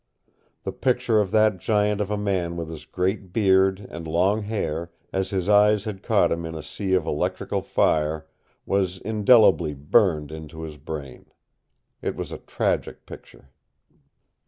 The picture of that giant of a man with his great beard and long hair, as his eyes had caught him in a sea of electrical fire, was indelibly burned into his brain. It was a tragic picture.